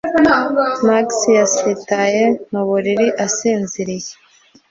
Max yasitaye mu buriri asinziriye